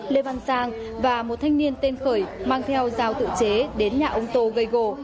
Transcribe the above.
lê văn sang và một thanh niên tên khởi mang theo giao tự chế đến nhà ông tô gây gồ